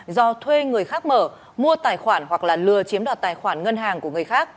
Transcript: do thuê người khác mở mua tài khoản hoặc lừa chiếm đoạt tài khoản ngân hàng